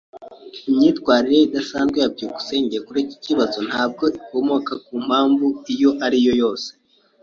Imyifatire idasanzwe ya byukusenge kuri iki kibazo ntabwo ikomoka ku mpamvu iyo ari yo yose.